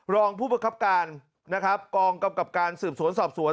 รองผู้ประคับการนะครับกองกำกับการสืบสวนสอบสวน